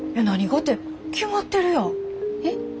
「何が」て決まってるやん！